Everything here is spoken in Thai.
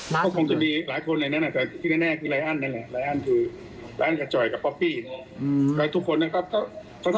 มีจะมีหลายคนในนั้นอะเหลือนั่นแหละ